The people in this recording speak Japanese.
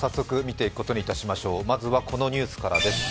まずはこのニュースからです。